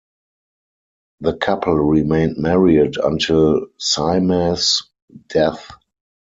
The couple remained married until Sima's death.